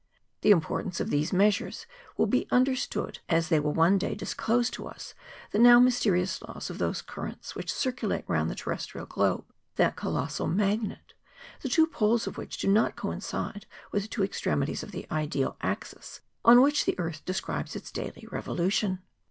The importance of these measures will be under¬ stood, as they will one day disclose to us the now mysterious laws of those currents which circulate around the terrestrial globe, that colossal magnet, the two poles of which do not coincide with the two extremities of the ideal axis on which the earth describes its daily revolution.